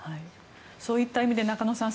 そういった意味で中野さん